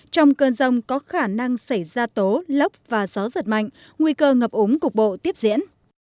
trong cơn rông có khả năng xảy ra tố lốc và gió giật mạnh nguy cơ ngập ống cục bộ tiếp diễn